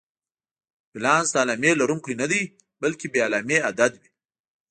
ولانس د علامې لرونکی نه دی، بلکې بې علامې عدد وي.